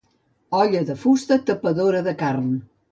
Olla de fusta, tapadora de carn.